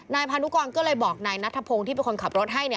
นายพานุกรก็เลยบอกนายนัทพงศ์ที่เป็นคนขับรถให้